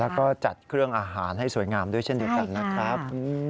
แล้วก็จัดเครื่องอาหารให้สวยงามด้วยเช่นเดียวกันนะครับ